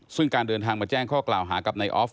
ซึ่งการเดินทางมาแจ้งข้อกล่าวหากับนายออฟ